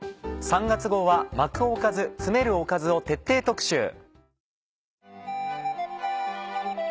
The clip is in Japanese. ３月号は「巻くおかず、詰めるおかず」を徹底特集。